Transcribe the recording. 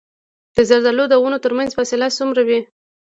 د زردالو د ونو ترمنځ فاصله څومره وي؟